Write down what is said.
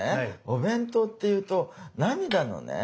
お弁当っていうと涙のね